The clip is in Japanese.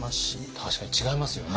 確かに違いますよね。